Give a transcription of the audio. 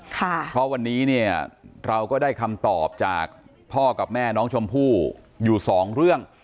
เพราะวันนี้เนี่ยเราก็ได้คำตอบจากพ่อกับแม่น้องชมพู่อยู่สองเรื่อง